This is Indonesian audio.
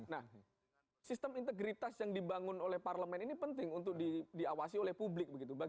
nah sistem integritas yang dibangun oleh parlemen ini penting untuk diawasi oleh publik begitu